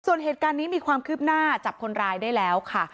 ส่วนเหตุการณ์นี้มีความคืบหน้าจับคนร้ายได้แล้วค่ะ